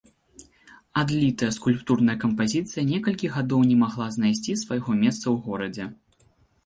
Адлітая скульптурная кампазіцыя некалькі гадоў не магла знайсці свайго месца ў горадзе.